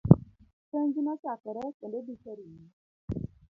Penj nochakore kendo dhi karumo